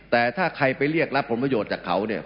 แต่ถ้าใครไปเรียกรับผลประโยชน์จากเขาเนี่ย